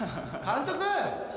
監督